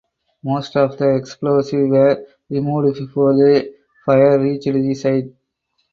Most of the explosives were removed before the fire reached the site.